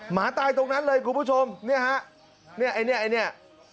หมาตายตรงนั้นเลยคุณผู้ชมเนี่ยฮะเนี่ยเนี้ย